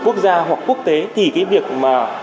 quốc gia hoặc quốc tế thì cái việc mà